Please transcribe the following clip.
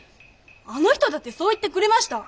あの人だってそう言ってくれました。